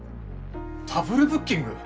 ダブルブッキング！？